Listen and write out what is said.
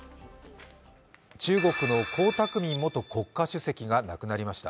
中国の江沢民元国家主席が亡くなりました。